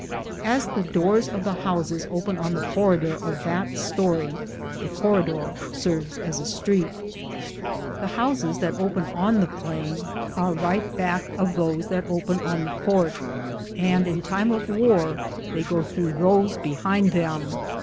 As the doors of the houses open on the corridor of that story, the corri dor serves aa a street. The houses that open on the plain are right back of those that •open on the court, and in time of war they go through those behind them.